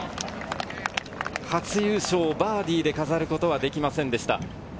初優勝をバーディーで飾ることはできませんでした。